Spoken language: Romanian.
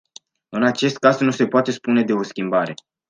În acest caz nu se poate spune de o schimbare.